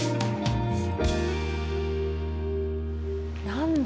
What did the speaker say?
何だ？